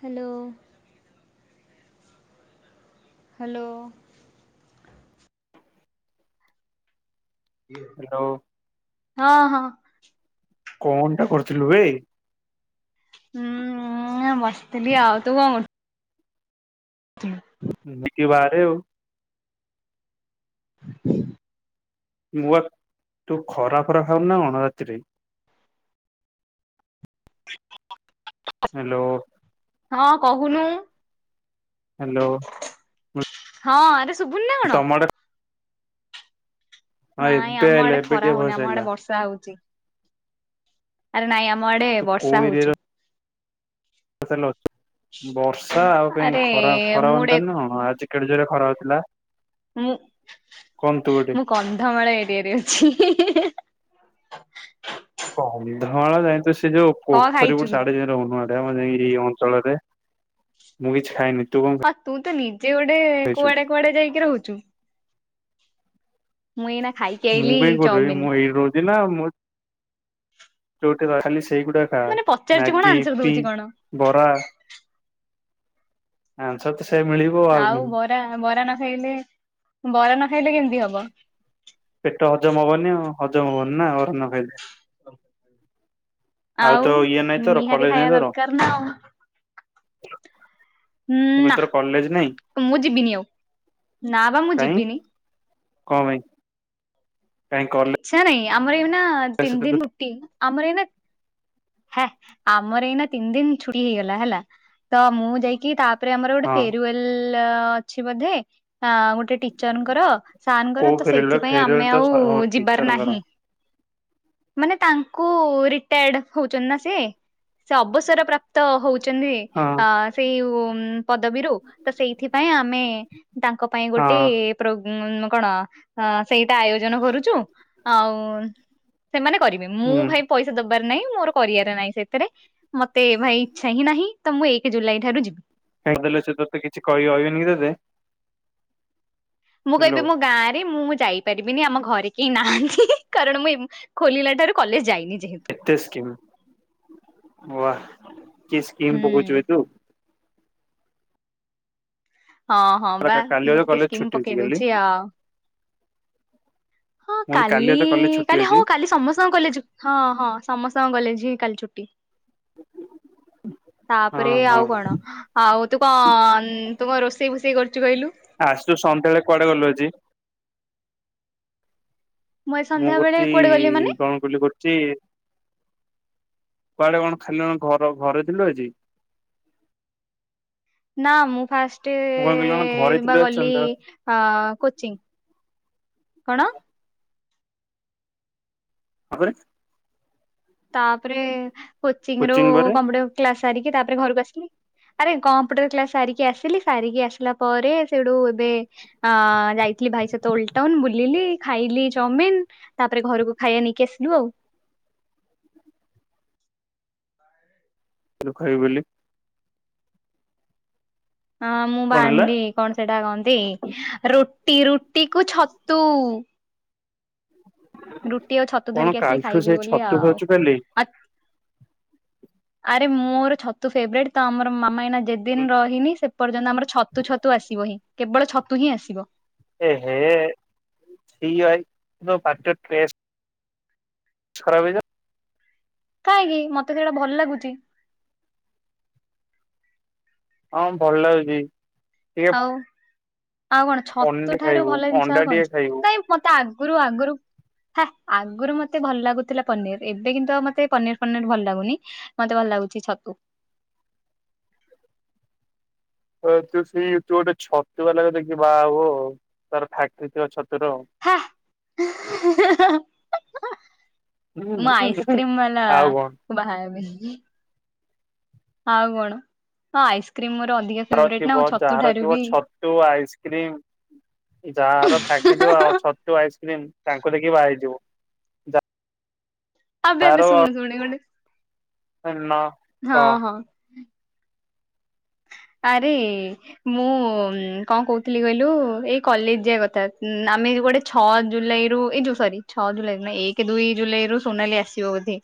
Hello. Hello. [unintelligible] Hello. ହଁ ହଁ। କଅଁଟା କରୁଥିଲୁ ବେ। ହୁଁ ଉଁ ଆଁ ବସି ଥିଲି ଆଉ ତୁ କଅଁ କରୁ [unintelligible] ଟିକେ ବାହାରେ ଆଉ [inaudible] ମୁଁ ପା ତୁ ଖରା ଫରା ଖାଉନୁ ନା କଣ ରାତିରେ? ହ୍ୟାଲୋ। ହଁ କହୁନୁ। ହାଲୋ। ହଁ ଆରେ ଶୁଭୁନୁ ନା କଣ। ତମ ଆଡେ ହଁ ନାଇଁ ଏବେ ଆମ ଆଇଲା ଆଡ଼େ ଏବେ ଖରା ଟିକେ ହୋଉନି ଭଏସ ଆମ ଆଇଲା ଆଡ଼େ ବର୍ଷା ହୋଉଚି। ଆରେ ନାଇଁ ଆମ ଆଡ଼େ ତୁ ବର୍ଷା ହୋଉଚି। ତୁ ତାହେଲେ ଅଛୁ ବର୍ଷା ଆଉ କାଇଁ ଆରେ ଖରା ଖରା ମୁଁ ମାନେ ଗୋଟେ ଜାଣିନୁ ନା କଣ ଆଜି କେଡ଼େ ଜୋରେ ଖରା ହୋଉଥିଲା। ମୁଁ ଗୋଟେ ମୁଁ କନ୍ଧମାଳ ଏରିଆରେ ଅଛି ହିଁ ହିଁ ହେଁ ହାଁ। କନ୍ଧମାଳ ଯାଇ ତ ସେ ଯୋଉ କଣ ପୋଖରୀ ଖାଇଛୁ ଗୋଟେ ତୁ? ସିଆଡେ ଯାଇଁ କି ରହୁନୁ ଆଉ ହେରା ମୁଁ ଯାଇନି ଏଇ ଅଞ୍ଚଳରେ ମୁଁ ବି ଖାଏନି। ହଁ ତୁ ତ ନିଜେ ଗୋଟେ କୁଆଡ଼େ କୁଆଡ଼େ ଯାଇକି ରହୁଚୁ ମୁଁ ଏଇନା ଖାଇବି। ମୁଁ କାଇଁ କୋଉଠି ରହିବି ମୁଁ ଏଇଟି ରହୁଚି ନା ମୁଁ ଯୋଉଠି ରହେ ଖାଲି ସେଗୁଡ଼ାକ ଖା ମାନେ ପଚାରୁଛି କଣ ମ୍ୟାଗି ଆନ୍ସର ୟିପି ଦଉଛି କଣ। ବରା। ଆନାସାର ତ ସେଇଆ ମିଳିବ। ଆଉ ବରା ବରା ନ ଖାଇଲେ ବରା ନ ଖାଇଲେ କେମିତି ହବ। ପେଟ ହଜମ ହବନି ଆଉ ହଜମ ହବନି ନା ଆଉ ବରା ନ ଖାଇଲେ। ଆଉ ତୋ ଇଏ ନାଇଁ ତୋର୍ ନିହାତି କଲେଜ୍ ଖାଇବା ନାଇଁ ତୋର? ଦରକାର ନା ଆଉ ହୁଁ ମୁଁ କହିଲି ନା ତୋର କଲେଜ ନାଇଁ ମୁଁ ଯିବିନି ଆଉ ନା ପା ମୁଁ ଯିବିନି। କଅଁ ପାଇଁ କାଇଁ ଗଲେ ଇଚ୍ଛା ନାହିଁ ଆମର ଏଇନା ତିନି ଦିନି ରୁଟି ଆମର ଏଇନା ହେଁ ଆମର ଏଇନା ତିନି ଦିନ ଛୁଟି ହେଇଗଲା ହେଲା ତ ମୁଁ ଯାଇକି ତା ତାପରେ ଆମର ଗୋଟେ ହଁ ଫେରୱଲ ଅଛି ବୋଧେ ଆ ଗୋଟେ ଟିଚରଙ୍କର। ସାନଙ୍କର କୋଉ ତ ଫେରୱେଲ ସେଇଥିପାଇଁ ଫେରୱେଲ ଆମେ ତ ଆଉ ଯିବାର ଟିଚରଙ୍କର ନାହିଁ। ମାନେ ତାଙ୍କୁ ରିଟାୟାର୍ଡ। ହଉଛନ୍ତି ନା ସେ ସେ ଅବସର ପ୍ରାପ୍ତ ହଉଛନ୍ତି ହଁ ଅ ସେଇ ପଦବୀରୁ ତ ସେଇଥିପାଇଁ ଆମେ ତାଙ୍କ ପାଇଁ ହଁ। ଗୋଟେଏ। କଣ ସେଇଟା ଆୟୋଜନ କରୁଛୁ ଆଉ ସେମାନେ କରିବେ ମୁଁ ହୁଁ ଭାଇ ପଇସା ଦବାର ନାଇଁ। ମୋର କରିଆର ନାହିଁ ସେଥିରେ ମତେ ଭାଇ ଇଚ୍ଛା ହିଁ ନାହିଁ ତ ମୁଁ ଏକ ଜୁଲାଇ ଠାରୁ ଯିବି। କାହିଁ ଗଲେ ସେ ତ କିଛି କହିବେନି ତୋତେ। ମୁଁ ହ୍ୟାଲୋ କହିବି ମୋ ଗାଁ ରେ ମୁଁ ଯାଇ ପାରିବିନି ଆମ ଘରେ କେହି ନାହାନ୍ତି କାରଣ ମୁଁ ଖୋଲିଲା ଠାରୁ କଲେଜ ଯାଇନି ଯେହେତୁ। କେତେ ସ୍କିମ ୱାହା କି ସ୍କିମ ହୁଁ। ପକୋଉଚୁ ବେ ତୁ। ହଁ ହଁ ବା କାଲି ମୁଁ ବୋଧେ ଟିକେ କଲେଜ ସ୍କିମ୍ ଛୁଟି ଅଛି ପକେଇ କାଲି ଦଉଛି ଆଉ। ହଁ ମୁଁ କହିଲି କାଲି ବୋଧେ କଲେଜ ଛୁଟି କାଲି ଅଛି ହଁ କାଲି ସମସ୍ତଙ୍କୁ କଲେଜ ହଁ ହଁ ସମସ୍ତଙ୍କ କଲେଜ ହିଁ କାଲି ଛୁଟି। ତାପରେ ହଁ ହଁ। ଆଉ କଣ ଆଉ ତୁ କଣ ତୁ କଣ ରୋଷେଇ ଫୁଷେଇ କରିଚୁ କହିଲୁ। ଆଯିତୁ ସନ୍ଧ୍ୟାବେଳେ କୁଆଡେ ଗଲୁ ଆଜି। ଏ ମୁଁ ସନ୍ଧ୍ୟା ବେଳେ ଗୋଛି କୁଆଡେ ଗଲି ମାନେ କଣ କଲିି ଗୋ ଛି କୁଆଡେ କଣ ଖାଲି କଣ ଘର ଘରେ ଥିଲୁ ଆଜି। ନା ମୁଁ ଫାଷ୍ଟ ମୁଁ କଣ କହିଲି କଣ ଘରେ ବା ଥିଲୁ ଆଜି ଗଲି। ସନ୍ଧ୍ୟା ଅ କୋଚିଙ୍ଗି କଣ। ତାପରେ। ତାପରେ କୋଚିଂଙ୍ଗି ରୁ କୋଚିଂ ପରେ କମ୍ପୁଟର କ୍ଲାସ ସାରିକି ତାପରେ ଘରୁକୁ ଆସିଲି। ଆରେ କମ୍ପୁଟର କ୍ଲାସ ସାରିକି ଆସିଲି ସାରିକି ଆସିଲା ପରେ ସେଇଠୁ ଏବେ। ଅ ଯାଇଥିଲି ଭାଇ ସହିତ ଓଲଟାଉନ ବୁଲିଲି ଖାଇଲି ଚାଉମିିନ। ତାପରେ ଘରକୁ ଖାଇବା ନେଇକି ଆସିଲୁ ଆଉ। ଖାଇବ ବୋଲି। ଅଁ ମୁଁ କଣ ହେଲା ବାଣ୍ଡି କଣ ସେଟା କହନ୍ତି ରୁଟି ରୁଟି କୁ ଛତୁ। ରୁଟି ଆଉ ଛତୁ କଣ ଧରିକି ଆସିଲି କାଲିଠୁ ଖାଇବି ସେ ବୋଲି ଛତୁ ଆଉ। ଖାଉଛୁ କାଲି ଆରେ ମୋର ଛତୁ ଫେବରାଇଟ ତ ଆମର ମାମା ଏଇନା ଯେଦିନ ରହିନି। ଏପର୍ଯ୍ୟନ୍ତ ଆମର ଛତୁ ଛତୁ ଆସିବ ହିଁ କେବଳ ଛତୁ ହିଁ ଆସିବ। ଏହେ [inaudible] ତୋପାଟୀର ଟେଷ୍ଟେ ଖରାପ ହେଇ ଯାଉନି। କାହିଁକି ମତେ ସେଇଟା ଭଲ ଲାଗୁଛି। ହଁ ଭଲ ଲାଗୁଚି। ଆଉ କଣ ଛତୁ ଠାରୁ ଖାଇବୁ ଭଲ ଜିନିଷ ଅଣ୍ଡା ଆଉ କଣ ଟିକେ ଖାଇବୁ ଅଛି ନାଇଁ ମୁଁ ତା ଆଗୁରୁ ଆଗୁରୁ। ହାଁ ଆଗରୁ ମତେ ଭଲ ଲାଗୁଥିଲା ପନିର ଏବେ କିନ୍ତୁ ମତେ ପନିର ଫନିର ଭଲ ଲାଗୁନି। ମତେ ଭଲ ଲାଗୁଛି ଛତୁ। ତୁ ସେଇ ତୁ ଗୋଟେ ଛତୁ ବାଲା କୁ ଦେଖିକି ବାହାହବୁ ଆଉ ତାର ଫାକ୍ଟ୍ରି ଥିବ ଛତୁର। ହାଁ [unintelligible] ମୁଁ ଆଇସ୍କ୍ରିମ୍ ବାଲା ଆଉ କଣ ବାହା ହେବି। ଆଉ କଣ ହଁ ଆଇସ୍କ୍ରିମ ମୋର ଅଧିକା ଫେବରାଇଟ ନା ଛତୁ ଠାରୁ ବି। ତୋ ଆଇସ୍କ୍ରିମ୍। ଯାହାର ଫାକ୍ଟ୍ରି ଥିବ ଛତୁ ଆଇସ୍କ୍ରିମ ତାଙ୍କୁ ଦେଖି ବାହାହେଇଯିବୁ। ଆବେ ଆବେ ଶୁଣି ଶୁଣି ଗୋଟେ। ନା ହଁ କହ। ହଁ ଆରେ। ମୁଁ କଣ କହୁଥିଲି କହିଲୁ ଏଇ କଲେଜ ଯିବା କଥା। [inaudible] ଛଅ ଜୁଲାଇରୁ ଏ ଯୋଉ ସରି ଛଅ ଜୁଲାଇ ନୁହେଁ ଏକ ଦୁଇ ଜୁଲାଇରୁ ସୋନାଲି ଆସିବ ବୋଧେ।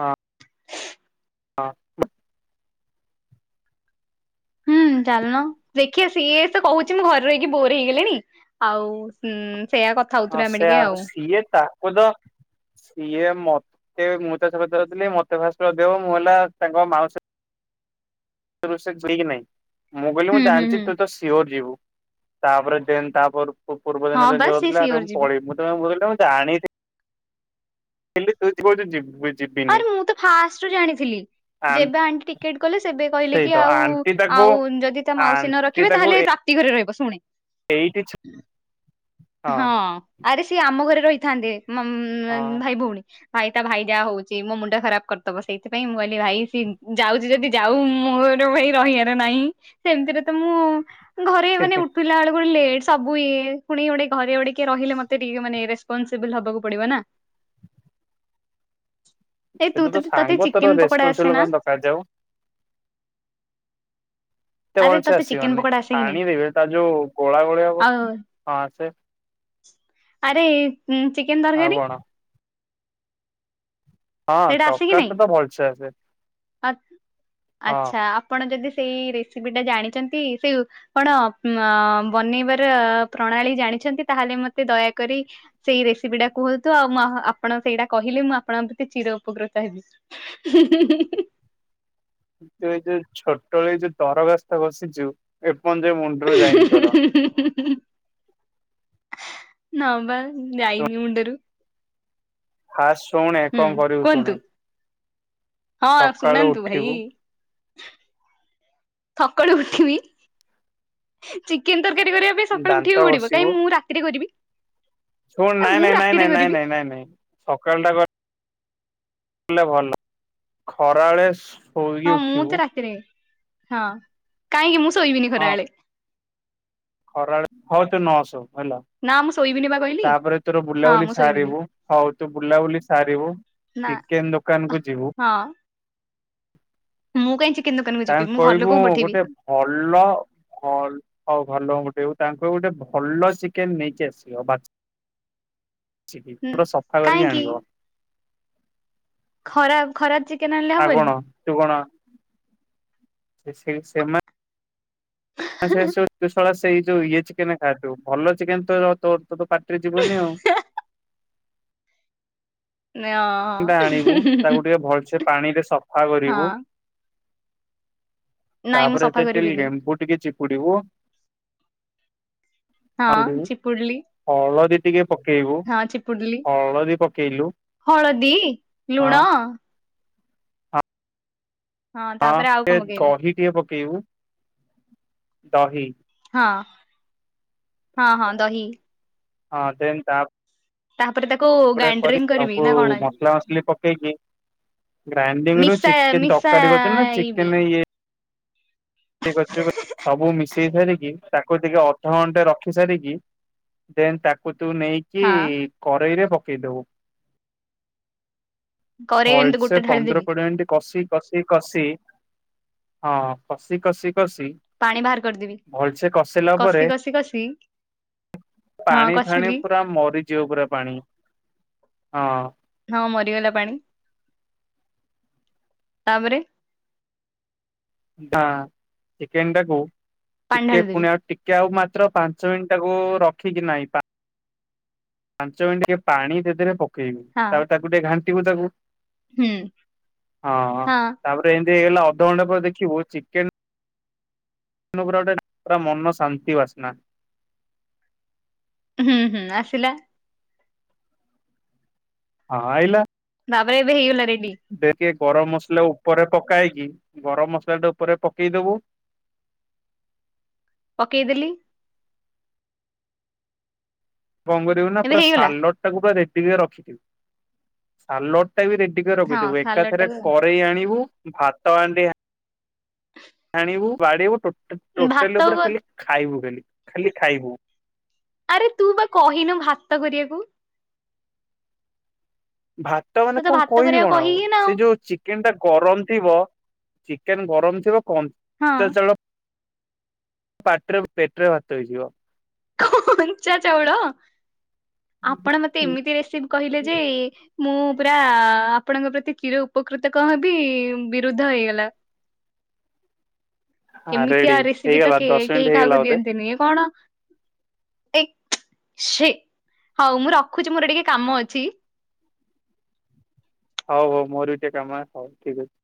ହଁ। ହଁ। ହୁଁ ଚାଲୁନ ଦେଖିବା ସିଏ ସ କହୁଛି ମୁଁ ଘରେ ରହିକି ବୋର ହେଇଗଲିଣି। ଆଉ ହୁଁ ସେଇୟା କ ହଁ ସେଇଆ ସିଏ ତାକୁ ତ ସିଏ ମତେ ମୁଁ ଚାଷ ଫାଶ କରୁଥିଲି ମତେ ଫାଷ୍ଟ ଲଗେଇବା ମୁଁ ହେଲା ତାଙ୍କ ମାଉସୀ ଏ ବର୍ଷ ଠିକ୍ ନାଇଁ ମୁଁ କହିଲି ମୁଁ ହୁଁ ହୁଁ ଜାଣିଛି ହୁଁ ତୁ ତ ସିଓର ଯିବୁ। ତାପରେ ଯେମି ତାପର ପୂର୍ବ ଦିନ ହଁ ଯେମିତି ବାସ୍ ସେ ହେଉଥିଲା ଆରେ ସିଓର ମୁଁ ଯିବ ପଳେଇବି। ତ ମୁଁ କହିଲି ତମେ ଜାଣିଥିଲି ତୁ କହୁଛୁ ଯିବିନି। ଆରେ ମୁଁ ତ ଫାଷ୍ଟରୁ ଜାଣିଥିଲି ଆନ୍ ଯେବେ ଆଣ୍ଟି ଟିକେଟ କଲେ ସେବେ କହିଲେ ସେଇ କି ତ ଆଉ ଆଣ୍ଟି ତାକୁ ଆଉ ଯଦି ତା ମାଉସୀ ନ ଆଣ୍ଟି ରଖିବେ ତାହେଲେ ଏଇ ପ୍ରାପ୍ତି ଘରେ ରହିବ ଶୁଣେ। ଏଇ କିଛି ହଁ ଆରେ ସିଏ ଆମ ଘରେ ରହିଥାନ୍ତେ ମ ଭାଇ ହଁ। ଭଉଣୀ। ଭାଇ ତା ଭାଇ ଯାହା ହଉଛି ମୋ ମୁଣ୍ଡ ଖରାପ କରିଦେବ ସେଇଥିପାଇଁ ମୁଁ କହିଲି ଭାଇ ସି ଯାଉଛି ଯଦି ଯାଉ ମୋର ଭାଇ ରହିବାର ନାହିଁ ସେମିତିରେ ତ ମୁଁ ଘରେ ମାନେ ଉଠିଲା ବେଳକୁ ଲେଟ୍ ସବୁ ଇଏ ପୁଣି ଗୋଟେ ଘରେ ଗୋଟେ କିଏ ରହିଲେ ମତେ ଟିକେ ମାନେ ରେସ୍ପନସିବୁଲ ହବାକୁ ପଡିବ ନା। ଏଇ ସେ ତୁ ତ ତୋ ତତେ ତତେ ସାଙ୍ଗ ତୋର ଚିକେନ ପକୋଡା ଆସେ ରେସ୍ପନସିବୁଲ ନା କଣ ଦରକାର ଯେ ଆଉ। ଏତେ ଆରେ ଭଲ ସେ ତତେ ଚିକେନ ଆସିବନି ପକୋଡା ଆସେ କି ନାଇଁ ଛାଣିଦେବେ ତା ଯୋଉ ଗୋଳା ଗୋଳି ହବ ଆଉ ହଁ ସେ ଆରେ ଚିକେନ ଆଉ ତରକାରୀ। କଣ ହଁ ସେଇଟା ଆସେ କି ତରକାରୀ ନାଇଁ ଟା ତ ଭଲସେ ଆସେ। ଆ ହଁ ଆଚ୍ଛା। ଆପଣ ଯଦି ସେଇ ରେସିପିଟା ଜାଣିଛନ୍ତି ସେଉ କଣ ବନେଇବାର ପ୍ରଣାଳୀ ଜାଣିଛନ୍ତି ତାହେଲେ ମତେ ଦୟାକରି ସେଇ ରେସିପିଟା କୁହନ୍ତୁ ଆଉ ମୁ ଆପଣ ସେଇଟା କହିଲେ ମୁଁ ଆପଣ ଚିର ଉପକୃତ ହେବି। ହୁଁ ହୁଁ ହୁଁ। ତୁ ଏଇ ଯୋଉ ଛୋଟ ଏ ଯୋଉ ତରଖାସ୍ତ ଘୋସିଛୁ ଏପର୍ଯ୍ୟନ୍ତ ମୁଣ୍ଡରୁ ଯାଇନି ତୋର। ନା ବା ଯାଇନି ମୁଣ୍ଡରୁ। ଫାଷ୍ଟ ଶୁଣେ ହୁଁ କଣ କରିବୁ ଶୁଣି କୁହନ୍ତୁ ହଁ ସକାଳୁ ଶୁଣାନ୍ତୁ ଭାଇ ଉଠିବୁ ଥକାଳୁ ଉଠିବି ଚିକେନ ତରକାରୀ କରି ଏବେ ସକାଳୁ ଦାନ୍ତ ଉଠିବାକୁ ପଡିବ ଘଷିବୁ କାଇଁ ମୁଁ ରାତିରେ କରିବି। ଶୁଣ ଆ ନାଇଁ ମୁଁ ନାଇଁ ରାତିରେ ନାଇଁ ନାଇଁ କରିବି ନାଇଁ ନାଇଁ ସକାଳଟା କର କଲେ ଭଲ ଖରାବେଳେ ଶୋଇକି ହଁ ମୁଁ ଉଠିବୁ ତ ରାତିରେ ହଁ କାହିଁକି ମୁଁ ଶୋଇବିନି ହଁ ଖରାବେଳେ। ଖରାବେଳେ ହଉ ତୁ ନଅ ଶୁ ହେଲା। ନା ମୁଁ ଶୋଇବିିନି ତାପରେ ତୋର ବୁଲାବୁଲି ସାରିବୁ ହଉ ତୁ ବୁଲାବୁଲି ସାରିବୁ। ନା ଚିକେନ ଦୋକାନ କୁ ଯିବୁ ହଁ ମୁଁ କାଇଁ ଚିକେନ୍ ଦୋକାନ ତାଙ୍କୁ କହିବୁ ଗୋଟେ ଭଲ ହଉ ଘର ଲୋକଙ୍କୁ ପଠେଇବୁ ତାଙ୍କୁ କହିବୁ ଗୋଟେ ଭଲ ଚିକେନ ନେଇକି ଆସିବ। ବା ଛି ଉଁ ପୁରା ସଫା କରିକି କାହିଁକି ଆଣିବ। ଖରା ଖରା ଚିକେନ ଆଣିଲେ ଆଉ କଣ ହବନି। ତୁ କଣ? ସେ ସେ ସେମା ସେ ସବୁ ଶଳା ସେଇ ଯୋଉ ଇଏ ଚିକେନ ଖାଆ ତୁ ଭଲ ଚିକେନ ତୋର ତୋ ତ ପାଟିରେ ଯିବନି ଆଉ। ନେଅ ଚିକେନ୍ ଟା ଆଣିବୁ ତାକୁ ଟିକେ ଭଲସେ ପାଣିରେ ସଫା କରିବୁ। ହଁ ନାଇଁ ମୁଁ ତାପରେ ସଫା ଏଥିରେ ଟିକେ କରିବିନି ଲେମ୍ବୁ ଟିକିଏ ଚି‌ପୁଡିବୁ। [unintelligible] ଆଉ ଗୋଟେ [unintelligible] ଚିପୁଡିଲି ହଳଦୀ ଟିକେ ପକେଇବୁ। ହଁ ଚିପୁଡିଲି ହଳଦୀ ପକେଇଲୁ ହଳଦୀ, ହଁ ଲୁଣ ହଁ ତାପରେ ଆଉ କଣ ଟିକେ ପକେଇବି ଦହି ଟିକେ ପକେଇବୁ। ଦହି ହଁ ହଁ ହଁ ଦହି ହଁ ଦେନ ତା ତାପରେ ତାକୁ ପରେ କରି ଗ୍ରାଇଣ୍ଡରିଙ୍ଗ କରିବି ଦବୁ ନା କଣ ମସଲା ମସଲି ପକେଇକି ଗ୍ରାଇଣ୍ଡିଙ୍ଗ ରୁ ମିଶା ଚିକେନ ତରକାରୀ କରଛନ୍ତି ନା ମିଶାଇବି ଚିକେନ ଇଏ [unintelligible] ସବୁ ମିଶେଇ ସାରିକି ତାକୁ ଟିକେ ଅଧ ଘଣ୍ଟା ରଖି ସାରିକି ଦେନ୍ ତାକୁ ତୁ ନେଇକି ହଁ କରେଇରେ ପକେଇଦବୁ କରେଇ ଏମିତି ଭଲସେ ଗୋଟେ ପନ୍ଦର ଢାଳିଦେବି କୋଡିଏ ମିନିଟି କଷି କସି କସିି ହଁ କସିି କସିି କସିି ପାଣି ବାହାର କରିଦେବି। ପରେ କଷି କଷି କଷି ହଁ ପାଣି ଫାଣି କଷିଲି ପୁରା ମରିଯିବ ପୁରା ପାଣି ହଁ ହଁ ମରିଗଲା ପାଣି। ତାପରେ ଢା ଚିକେନ ଟାକୁ ପାଣି ଟିକେ ଢାଳିଦେବି ପୁଣି ଆଉ ଟି କେ ଆଉ ମାତ୍ର ପାଞ୍ଚ ମିନିଟ ଟାକୁ ରଖିକି ନାଇଁ ପା ପାଞ୍ଚ ମିନିଟ ଟିକେ ପାଣି ସେଥିରେ ପକେଇବୁ। ହଁ ତାପରେ ତାକୁ ଟିକେ ଘାଣ୍ଟିବୁ ତାକୁ ହୁଁ ହଁ ତାପରେ ଏମିତି ହେଇଗଲା ଅଧଘଣ୍ଟା ପରେ ଦେଖିବୁ ଚିକେନ [unintelligible] ପୁରା ଗୋଟେ ପୁରା ମନ ଶାନ୍ତି ବାସ୍ନା ହୁଁ ହୁଁ ଆସିଲା ହଁ ଆଇଲା। ତାପରେ ଏବେ ହେଇଗଲା ରେଡି ଟେକେ ଗରମ ମସଲା ଉପରେ ପକାଇକି ଗରମ ମସଲା ଟା ଉପରେ ପକେଇଦବୁ ପକେଇଦେଲି। କଣ କରିବୁ ନା ଏବେ ପୁରା ହେଇଗଲା ସାଲଡ ଟାକୁ ପୁରା ରେଡି କି ରଖିଥିବୁ। ସାଲଡ ଟା ବି ରେଡି କରି ହଁ ରଖିଥିବୁ ସାଲଡ ଏକାଥରେ ଟାକୁ କରେଇ ଆଣିବୁ ଭାତ ହାଣ୍ଡି ଆ ଆଣିବୁ ବାଡିବୁ ଟୋଟ ଟା ଟୋଟାଲି ଭାତ ପୁରା ଖାଲି ଖାଇବୁ ଖାଲି ଖାଲି ଖାଇବୁ। ଆରେ ତୁ ବା କହିନୁ ଭାତ କରିବାକୁ ଭାତ ମାନେ ତୁ ତ କଣ ଭାତ କହିବି କରିବାକୁ କଣ ଆଉ? କହିକି ନା ସେ ଯୋଉ ଚି କେନ ଟା ଗରମ ଥିବ ଚିକେନ ଗରମ ଥିବ ଆଉ କଞ୍ଚା ଚାଉଳ ପାଟିରେ ପେଟ ରେ ଭାତ ହେଇଯିବ କଞ୍ଚା ଚାଉଳ ଆପଣ ମତେ ଏମିତି ରେସିପି କହିଲେ ଯେ ମୁଁ ପୁରା ଆପଣଙ୍କ ପ୍ରତି କୀର ଉପକୃତ କଣ ହେବି ବିରୁଦ୍ଧ ହେଇଗଲା। [unintelligible] ହଁ ଏମିତିଆ ରେଡି ରେସିପି ତ ହେଇଗଲା କେ ଦଶ ମିନିଟ୍ କେହି ହେଇଗଲା କାହାକୁ ବୋଧେ ଦିଅନ୍ତିନି। ଏ କଣ? ଏ ଛି। ହଉ ମୁଁ ରଖୁଛି ମୋର ଟିକେ କାମ ଅଛି। ହଉ ହଉ ମୋର ବି ଟିକେ କାମ ହଉ ଠିକ ଅଛି।